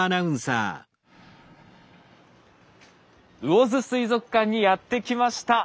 魚津水族館にやって来ました。